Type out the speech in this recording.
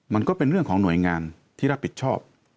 มันก็เป็นเรื่องของหน่วยงานที่รับผิดชอบ